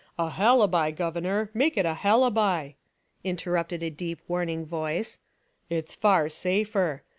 *'A halibi, governor, make it a halibi," In terrupted a deep warning voice, "it's far safer.